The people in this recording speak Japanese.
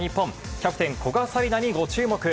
キャプテン古賀紗理那にご注目。